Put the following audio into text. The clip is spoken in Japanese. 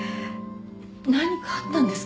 何かあったんですか？